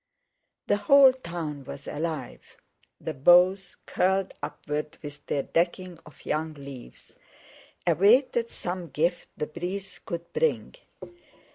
The whole town was alive; the boughs, curled upward with their decking of young leaves, awaited some gift the breeze could bring.